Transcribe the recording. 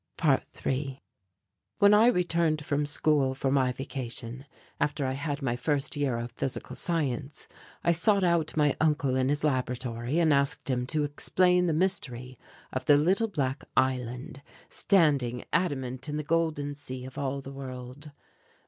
~3~ When I returned from school for my vacation, after I had my first year of physical science, I sought out my uncle in his laboratory and asked him to explain the mystery of the little black island standing adamant in the golden sea of all the world.